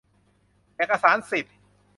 เอกสารสิทธิ์